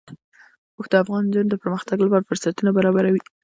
اوښ د افغان نجونو د پرمختګ لپاره فرصتونه برابروي.